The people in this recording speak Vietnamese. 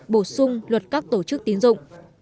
bổ sung luật các tổ chức tiến dụng